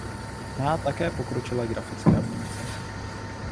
Má také pokročilé grafické funkce.